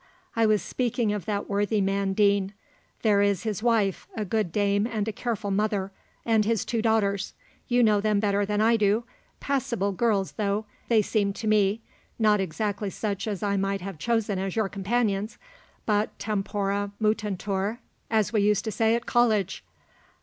I was speaking of that worthy man Deane. There is his wife, a good dame and a careful mother, and his two daughters. You know them better than I do passable girls though, they seem to me; not exactly such as I might have chosen as your companions; but tempora mutantur, as we used to say at college!